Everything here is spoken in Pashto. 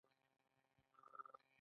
آیا ټاپي به افغانستان ته ګاز ورکړي؟